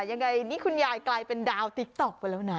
ยังไงนี่คุณยายกลายเป็นดาวติ๊กต๊อกไปแล้วนะ